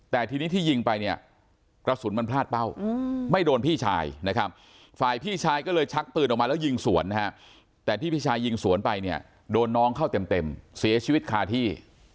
แต่ทีนี้ที่ยิงไปเนี่ยกระสุนมันพลาดเป้าไม่โดนพี่ชายนะครับฝ่ายพี่ชายก็เลยชักปืนออกมาแล้วยิงสวนนะฮะแต่ที่พี่ชายยิงสวนไปเนี่ยโดนน้องเข้าเต็มเสียชีวิตคาที่